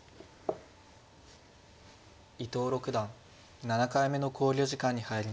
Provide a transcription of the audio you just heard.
伊藤六段７回目の考慮時間に入りました。